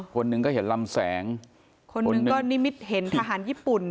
คนหนึ่งก็เห็นลำแสงคนหนึ่งก็นิมิตเห็นทหารญี่ปุ่น